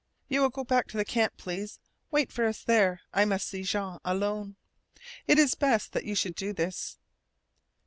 "You will go back to the camp please. Wait for us there, I must see Jean alone. It is best that you should do this."